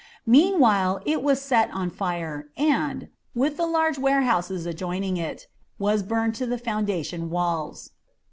Meanwhile it was set on fire and, with the large warehouses adjoining it, was burned to the foundation walls.